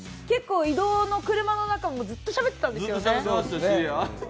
結構移動の車の中もずっとしゃべってたんですよね。